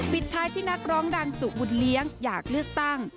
ปิดท้ายที่นักร้องดังสุบุญเลี้ยงอยากเลือกตั้ง